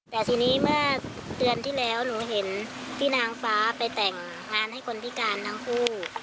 แต่ทีนี้เมื่อเดือนที่แล้วหนูเห็นพี่นางฟ้าไปแต่งงานให้คนพิการทั้งคู่